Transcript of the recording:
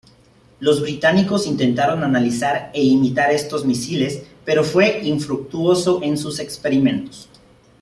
Los británicos intentaron analizar e imitar estos misiles, pero fue infructuoso en sus experimentos.